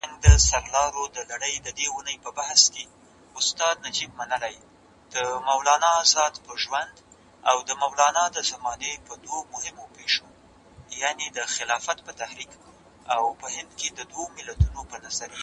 ناوړه کارونه نه منل کېږي.